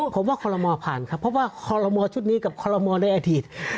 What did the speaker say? ผมว่าคอลโลมอร์ผ่านครับเพราะว่าคอลโลมอร์ชุดนี้กับคอลโลมอร์ในอาทิตย์